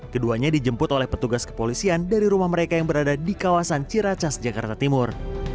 keduanya dijemput oleh petugas kepolisian dari rumah mereka yang berada di kawasan ciracas jakarta timur